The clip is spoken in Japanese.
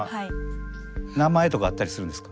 名前とかあったりするんですか？